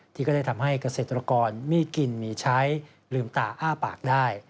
ที่ก็ได้ทำให้เกษตรกรมีกินมีใช้ลืมตาอ้าปากได้